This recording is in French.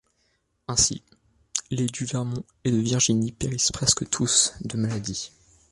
Ainsi, les du Vermont et de Virginie périssent presque tous de maladie.